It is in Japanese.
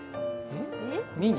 ミニ？